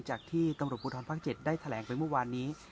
จากที่ตำรวจภูทรภาค๗ได้แถลงไปเมื่อวานนี้